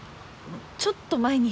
ちょっと前に。